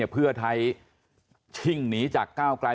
เพื่อไทยชิ่งหนีจากก้าวไกล